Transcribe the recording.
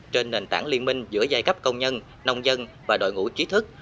trên nền tảng liên minh giữa giai cấp công nhân nông dân và đội ngũ trí thức